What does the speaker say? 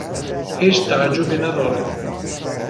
هیچ تعجبی ندارد.